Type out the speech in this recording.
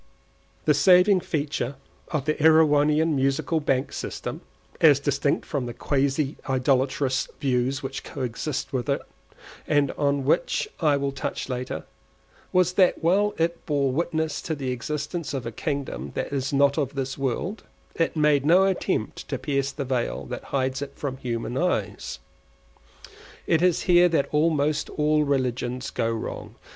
The saving feature of the Erewhonian Musical Bank system (as distinct from the quasi idolatrous views which coexist with it, and on which I will touch later) was that while it bore witness to the existence of a kingdom that is not of this world, it made no attempt to pierce the veil that hides it from human eyes. It is here that almost all religions go wrong.